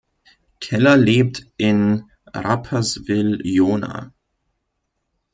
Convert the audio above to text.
Keller lebt in Rapperswil-Jona.